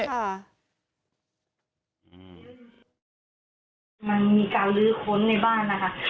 กระทืนกระจายเปิดแอร์นอนในห้อง